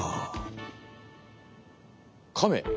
カメ？